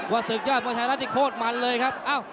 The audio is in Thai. วัดศึกยาศโมงไทยรัฐที่โคตรมันเลยครับ